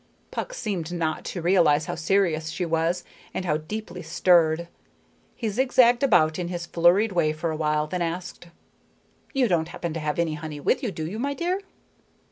Puck seemed not to realize how serious she was, and how deeply stirred. He zigzagged about in his flurried way for a while, then asked: "You don't happen to have any honey with you, do you, my dear?"